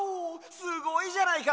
すごいじゃないか。